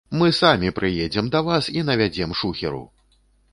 Мы самі прыедзем да вас і навядзем шухеру!